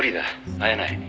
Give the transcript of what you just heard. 会えない」